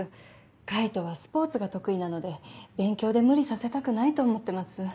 海斗はスポーツが得意なので勉強で無理させたくないと思ってます。